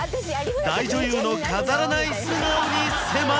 大女優の飾らない素顔に迫る！